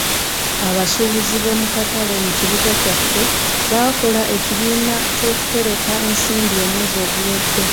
Abasuubuzi b'omu katale mu kibuga kyaffe baakola ekibiina ky'okutereka ensimbi omwezi oguwedde.